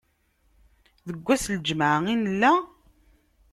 Deg ass n lǧemɛa i nella?